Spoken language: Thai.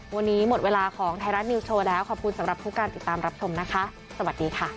วันนี้หมดเวลาของไทยรัฐนิวโชว์แล้วขอบคุณสำหรับผู้การติดตามรับชมนะคะสวัสดีค่ะ